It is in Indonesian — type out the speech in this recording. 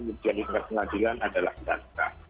kemudian pengadilan adalah jasa